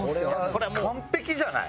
これは完璧じゃない？